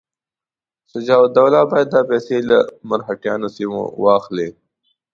شجاع الدوله باید دا پیسې له مرهټیانو سیمو څخه واخلي.